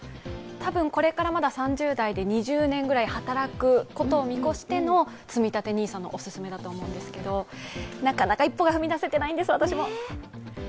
多分これからまだ３０代で２０年ぐらい働くことを見越してのつみたてＮＩＳＡのお勧めだと思うんですけど、なかなか一歩が踏み出せてないんです、私も。